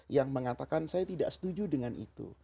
yang mengatakan saya tidak setuju dengan itu